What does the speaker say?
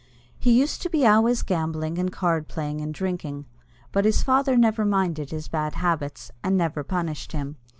He used to be always gambling and card playing and drinking, but his father never minded his bad habits, and never punished him.